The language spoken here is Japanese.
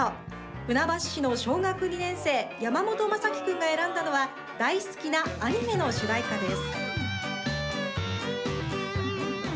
船橋市の小学２年生山本真幸君が選んだのは大好きなアニメの主題歌です。